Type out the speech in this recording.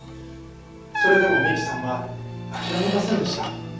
それでも美希さんは諦めませんでした。